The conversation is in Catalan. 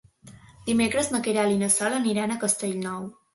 Dimecres na Queralt i na Sol aniran a Castellnou.